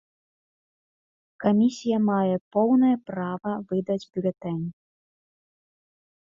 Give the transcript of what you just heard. Камісія мае поўнае права выдаць бюлетэнь.